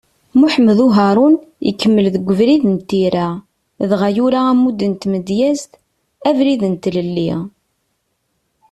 Muḥemmed Uharun, ikemmel deg ubrid n tira, dɣa yura ammud n tmedyazt “Abrid n tlelli”.